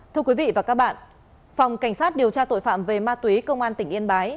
thưa quý vị và các bạn phòng cảnh sát điều tra tội phạm về ma túy công an tỉnh yên bái